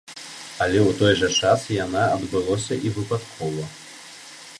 Але ў той жа час яна адбылося і выпадкова.